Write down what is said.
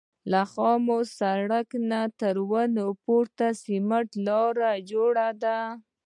له خامه سړک نه تر ونې پورې سمټي لاره جوړه ده.